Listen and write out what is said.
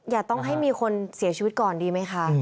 อย่าต้องให้มีคนเสียชีวิตก่อนดีไหมคะ